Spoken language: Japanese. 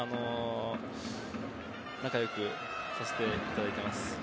仲良くさせていただいています。